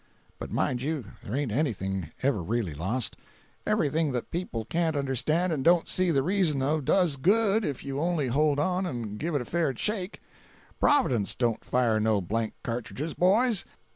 But mind you, there ain't anything ever reely lost; everything that people can't understand and don't see the reason of does good if you only hold on and give it a fair shake; Prov'dence don't fire no blank ca'tridges, boys.